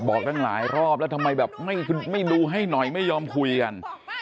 ตั้งหลายรอบแล้วทำไมแบบไม่ดูให้หน่อยไม่ยอมคุยกัน